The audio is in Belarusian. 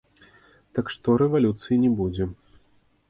Так што рэвалюцыі не будзе.